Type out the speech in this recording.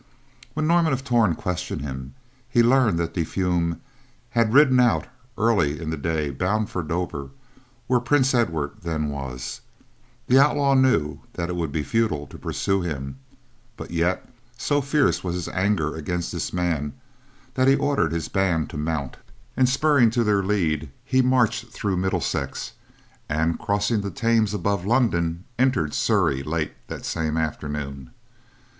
When Norman of Torn questioned him, he learned that De Fulm had ridden out early in the day bound for Dover, where Prince Edward then was. The outlaw knew it would be futile to pursue him, but yet, so fierce was his anger against this man, that he ordered his band to mount, and spurring to their head, he marched through Middlesex, and crossing the Thames above London, entered Surrey late the same afternoon.